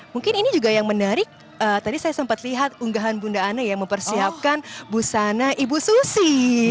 mungkin ini juga yang menarik tadi saya sempat lihat unggahan bunda ana yang mempersiapkan busana ibu susi